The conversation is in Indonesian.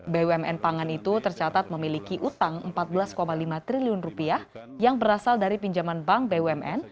bumn pangan itu tercatat memiliki utang rp empat belas lima triliun yang berasal dari pinjaman bank bumn